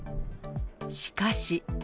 しかし。